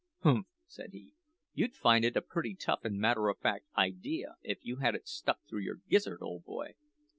"Humph!" said he; "you'd find it a pretty tough and matter of fact idea if you had it stuck through your gizzard, old boy!"